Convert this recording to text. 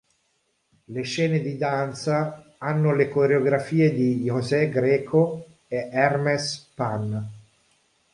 Le scene di danza hanno le coreografie di José Greco e Hermes Pan.